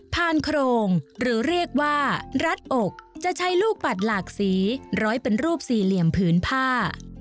โครงหรือเรียกว่ารัดอกจะใช้ลูกปัดหลากสีร้อยเป็นรูปสี่เหลี่ยมผืนผ้า